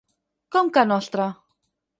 Com que nostre?